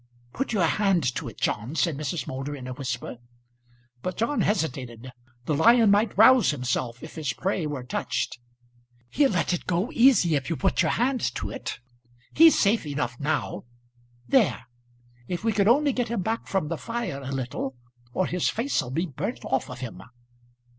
"Put your hand to it, John," said Mrs. Moulder in a whisper. But John hesitated. The lion might rouse himself if his prey were touched. "He'll let it go easy if you put your hand to it. He's safe enough now. There. If we could only get him back from the fire a little, or his face'll be burnt off of him."